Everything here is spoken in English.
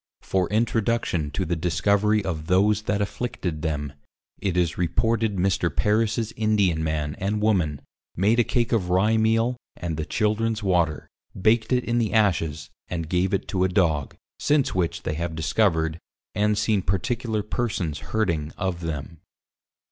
For introduction to the discovery of those that afflicted them, It is reported Mr. Parris's Indian Man, and Woman, made a Cake of Rye Meal, and the Childrens water, baked it in the Ashes, and gave it to a Dog, since which they have discovered, and seen particular persons hurting of them.